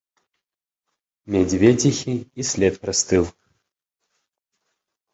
Мядзведзіхі і след прастыў.